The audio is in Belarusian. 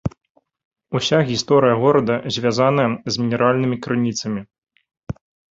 Уся гісторыя горада звязаная з мінеральнымі крыніцамі.